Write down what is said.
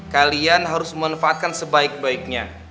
kalian harus memanfaatkan sebaik baiknya